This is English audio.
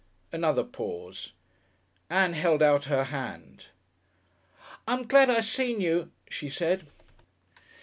Another pause. Ann held out her hand. "I'm glad I seen you," she said.